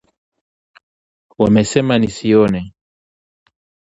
Wamesema nisione